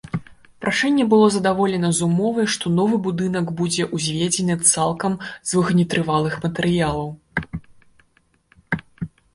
Прашэнне было задаволена з умовай, што новы будынак будзе ўзведзены цалкам з вогнетрывалых матэрыялаў.